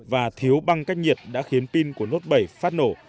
và thiếu băng cách nhiệt đã khiến pin của nốt bảy phát nổ